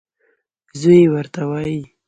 زوی یې ورته وايي: